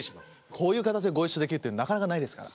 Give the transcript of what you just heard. こういう形でご一緒できるってなかなかないですから。